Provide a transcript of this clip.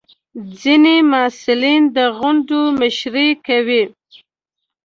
ځینې محصلین د غونډو مشري کوي.